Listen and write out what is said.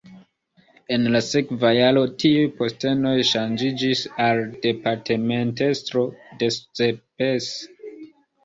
En la sekva jaro tiuj postenoj ŝanĝiĝis al departementestro de Szepes.